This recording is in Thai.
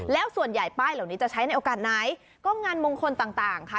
แล้วส่วนใหญ่ป้ายเหล่านี้จะใช้ในโอกาสไหนก็งานมงคลต่างค่ะ